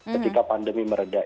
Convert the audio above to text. ketika pandemi meredah